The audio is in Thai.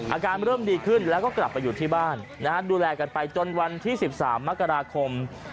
อาการเริ่มดีขึ้นแล้วก็กลับไปอยู่ที่บ้านดูแลกันไปจนวันที่๑๓มกราคม